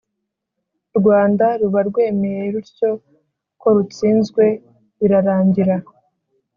rwanda ruba rwemeye rutyo ku rutsinzwe, birarangira!